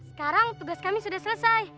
sekarang tugas kami sudah selesai